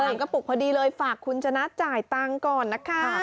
กระปุกพอดีเลยฝากคุณชนะจ่ายตังค์ก่อนนะคะ